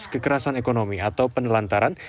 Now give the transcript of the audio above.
kekerasan ekonomi atau penelantaran